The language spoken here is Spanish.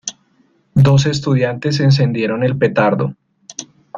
Dos estudiantes encendieron el petardo.